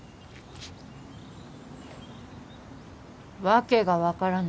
訳が分からない。